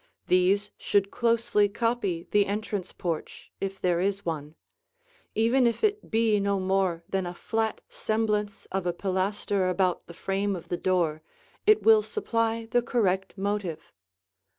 These should closely copy the entrance porch, if there is one; even if it be no more than a flat semblance of a pilaster about the frame of the door, it will supply the correct motive.